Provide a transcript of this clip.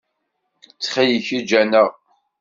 Ttxil-k, eǧǧ-aneɣ.